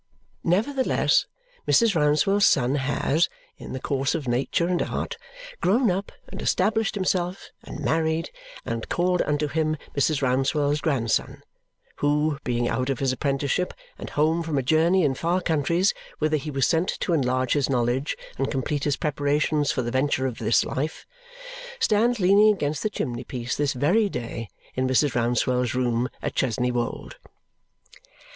Nevertheless, Mrs. Rouncewell's son has, in the course of nature and art, grown up, and established himself, and married, and called unto him Mrs. Rouncewell's grandson, who, being out of his apprenticeship, and home from a journey in far countries, whither he was sent to enlarge his knowledge and complete his preparations for the venture of this life, stands leaning against the chimney piece this very day in Mrs. Rouncewell's room at Chesney Wold.